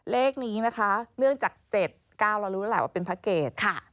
เลขนี้เนื่องจาก๗๙เรารู้ได้หลายว่าเป็นพระเกต